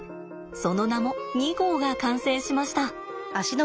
その名も２号が完成しました。